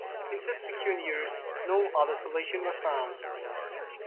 In subsequent years no other solution was found.